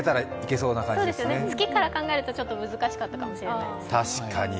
そうですね、月から考えるとちょっと難しかったかもしれませんが。